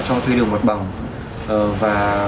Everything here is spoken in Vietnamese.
cho thuê được mặt bằng và